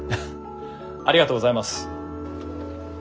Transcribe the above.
ありがとうございます。